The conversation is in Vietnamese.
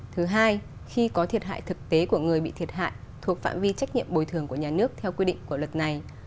thứ hai khi có thiệt hại thực tế của người bị thiệt hại thuộc phạm vi trách nhiệm bồi thường của nhà nước theo quy định của luật này